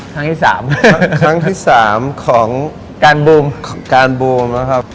ครั้งที่สามครั้งที่สามของการบูมการบูมนะครับ